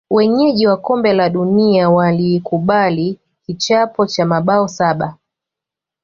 wenyeji wa kombe la dunia walikubali kichapo cha mabao saba